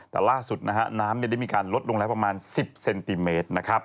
แต่ล่าสุดน้ำได้มีการลดลงและประมาณ๑๐เซนติเมตร